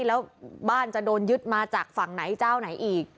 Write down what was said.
แล้วบ้านจะโดนยึดมาจากฝั่งไหนเจ้าไหนอีก